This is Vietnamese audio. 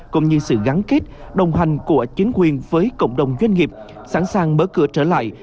cũng như sự gắn kết đồng hành của chính quyền với cộng đồng doanh nghiệp sẵn sàng mở cửa trở lại